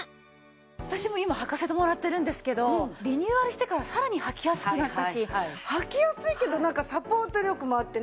私も今はかせてもらってるんですけどリニューアルしてからさらにはきやすくなったし。はきやすいけどなんかサポート力もあってね。